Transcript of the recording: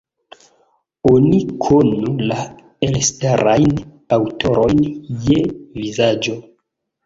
Oni konu la elstarajn aŭtorojn je vizaĝo.